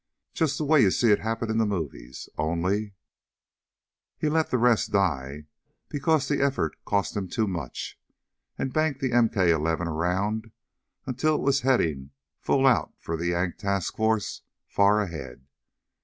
"Just the way you see it happen in the movies. Only " He let the rest die because the effort cost him too much, and banked the MK 11 around until it was heading full out for the Yank task force far ahead.